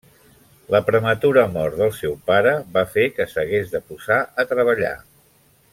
La prematura mort del seu pare va fer que s'hagués de posar a treballar.